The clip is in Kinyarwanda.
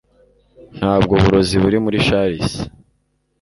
Ntabwo uburozi buri muri chalices